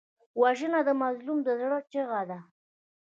وژنه د مظلوم د زړه چیغه ده